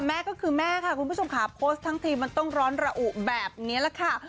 แม่ก็คือแม่ค่ะคุณผู้ชมค่ะโพสต์ทั้งทีมันต้องร้อนระอุแบบนี้แหละค่ะ